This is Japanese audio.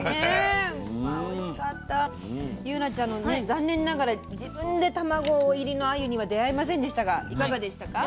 祐奈ちゃんのね残念ながら自分で卵入りのあゆには出会えませんでしたがいかがでしたか？